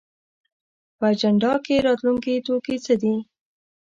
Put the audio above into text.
په اجنډا کې راتلونکی توکي څه دي؟